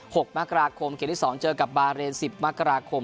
หกมกราคมเกมที่สองเจอกับบาเรนสิบมกราคม